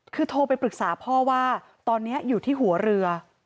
คือโทรไปปรึกษาพ่อว่าตอนนี้อยู่ที่หัวเรือ